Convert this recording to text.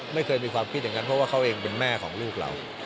ไม่เคยมีความคิดอย่างนั้นเพราะว่าเขาเองเป็นแม่ของลูกเรา